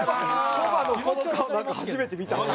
コバのこの顔初めて見た。